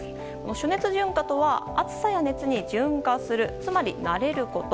暑熱順化とは暑さや熱に順化するつまり慣れること。